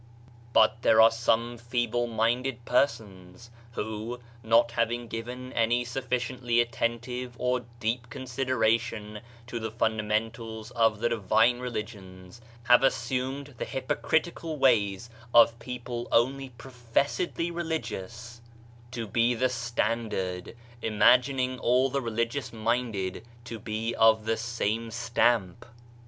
But there are some feeble minded persons who, not having given any sufficiently attentive or deep consideration to the fundamentals of the divine religions, have assumed the hypocritical ways of people only professedly religious to be the stand 82 Digitized by Google OF CIVILIZATION ard, imagining all the religious minded to be of the same stamp.